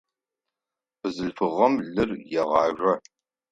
Бзылъфыгъэм лыр егъажъо.